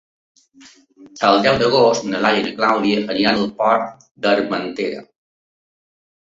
El deu d'agost na Laia i na Clàudia aniran al Pont d'Armentera.